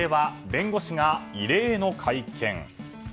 弁護士が異例の会見。